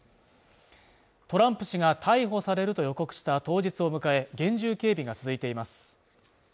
トランプ氏が逮捕されると予告した当日を迎え厳重警備が続いています。